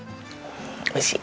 美味しい。